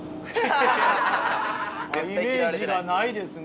イメージがないですね。